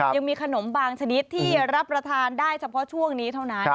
ยังมีขนมบางชนิดที่รับประทานได้เฉพาะช่วงนี้เท่านั้น